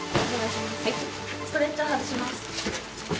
・ストレッチャー外します。